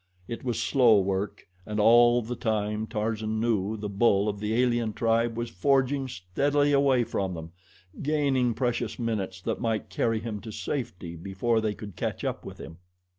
It was slow work and all the time, Tarzan knew, the bull of the alien tribe was forging steadily away from them gaining precious minutes that might carry him to safety before they could catch up with him.